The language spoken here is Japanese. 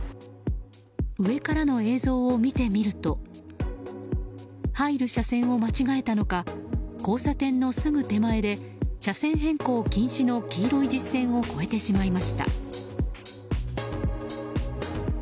上からの映像を見てみると入る車線を間違えたのか交差点のすぐ手前で車線変更禁止の黄色い実線を越えてしまいました。